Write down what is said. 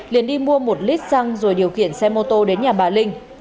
liền đi mua một lít xăng rồi điều khiển xe mô tô đến nhà bà linh